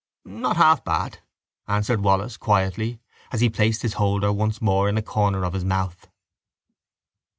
—Not half bad, answered Wallis quietly as he placed his holder once more in a corner of his mouth.